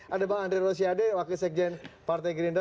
ada bang andre rosiade wakil sekjen partai gerindra